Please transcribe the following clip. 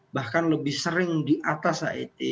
bahkan lebih sering di atas het